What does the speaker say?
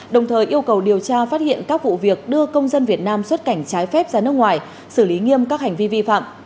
đồng thời yêu cầu điều tra phát hiện các vụ việc đưa công dân việt nam xuất cảnh trái phép ra nước ngoài xử lý nghiêm các hành vi vi phạm